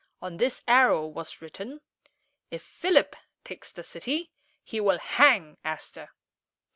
On this arrow was written, "If Philip takes the city, he will hang Aster."